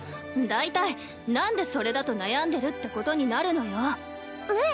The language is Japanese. だいたいなんでそれだと悩んでるってことになるのよ？